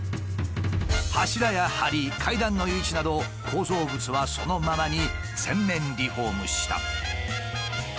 柱やはり階段の位置など構造物はそのままに全面リフォームした。